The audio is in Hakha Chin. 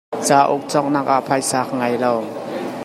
Cauk cawknak caah phaisa ka ngei ko.